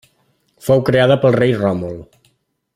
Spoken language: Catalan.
Fou creada pel rei Ròmul.